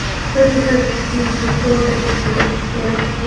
ফোঁটায় ফোঁটায় পানি তার চুল থেকে পড়ে শাড়ির আচল ভিজিয়ে দিয়েছে।